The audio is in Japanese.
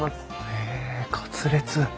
へえカツレツ。